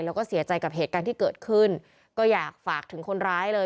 แล้วก็เสียใจกับเหตุการณ์ที่เกิดขึ้นก็อยากฝากถึงคนร้ายเลย